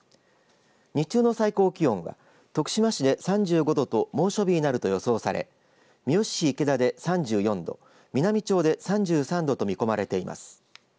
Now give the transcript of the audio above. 日中の最高気温は徳島市で３５度と猛暑日になると予想され三好市池田で３４度美波町で３３度と見込まれています。